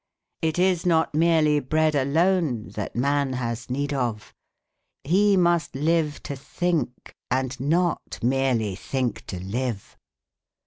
It is not merely bread alone that man has need of. He must live to think, and not merely think to live.